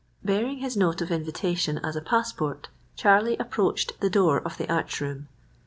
Bearing his note of invitation as a passport, Charlie approached the door of the arch room.